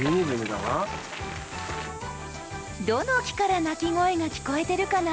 どの木から鳴き声が聞こえてるかな？